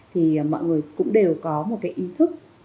thì mọi người cũng đều có một cái ý thức